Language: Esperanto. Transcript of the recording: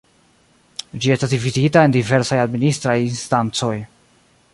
Ĝi estas dividitaj en diversaj administraj instancoj.